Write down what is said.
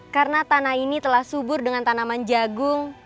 karena tanah ini telah subur dengan tanaman jagung